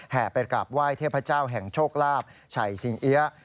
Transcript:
ไปกราบไหว้เทพเจ้าแห่งโชคลาภชัยสิงเอี๊ยะ